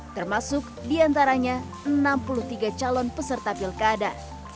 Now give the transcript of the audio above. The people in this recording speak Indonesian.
termasuk diantaranya enam puluh tiga calon peserta pilkada